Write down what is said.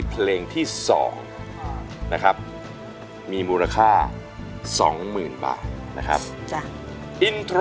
เพลงที่๒นะครับมูลค่า๒หมื่นบาท